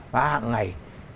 và hằng ngày